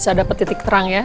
saya dapat titik terang ya